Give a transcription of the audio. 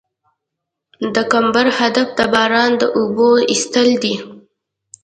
د کمبر هدف د باران د اوبو ایستل دي